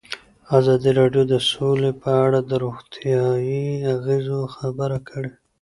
ازادي راډیو د سوله په اړه د روغتیایي اغېزو خبره کړې.